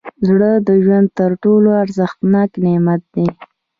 زړه د ژوند تر ټولو ارزښتناک نعمت دی.